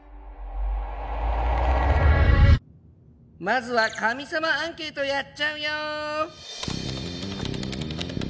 まずは神様アンケートやっちゃうよ！